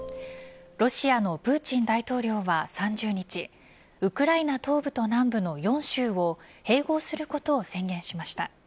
ロシアのプーチン大統領は３０日ウクライナ東部と南部の４州を併合することを宣言しました。